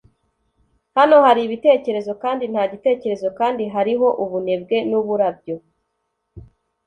hano haribitekerezo kandi nta gitekerezo, kandi hariho ubunebwe nuburabyo